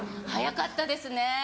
早かったですね。